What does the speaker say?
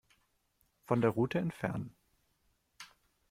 Von der Route entfernen.